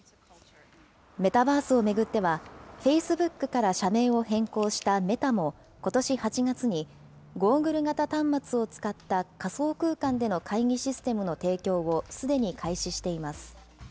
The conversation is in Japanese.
メタバースを巡っては、フェイスブックから社名を変更したメタも、ことし８月にゴーグル型端末を使った仮想空間での会議システムの提供をすでに開始しています。